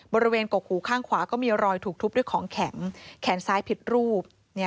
บริเวณกดขูข้างขวาก็มีรอยถูกทุบด้วยของแข็งแซ้พิษรูป